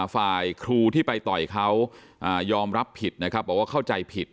ฝ่ายครูที่ไปต่อยเขายอมรับผิดนะครับบอกว่าเข้าใจผิด